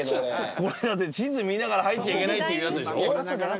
これだって地図見ながら入っちゃいけないっていうやつでしょ？